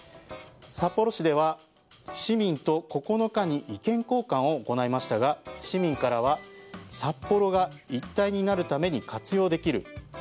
札幌市では市民と９日に意見交換を行いましたが市民からは札幌が一体になるために活用できる。